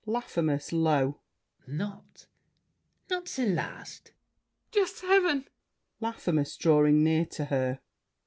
LAFFEMAS (low). Not—not the last! MARION. Just Heaven! LAFFEMAS (drawing near to her).